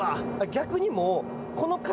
逆にもう。